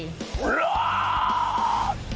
รัก